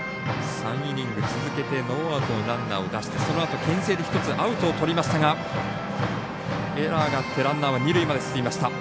３イニング続けてノーアウトのランナーを出してそのあと、けん制で１つアウトをとりましたがエラーがあって、ランナーは二塁まで進みました。